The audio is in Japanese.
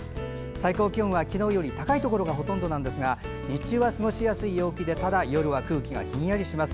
最高気温は昨日より高いところがほとんどですが日中は過ごしやすい陽気でただ、夜は空気がひんやりします。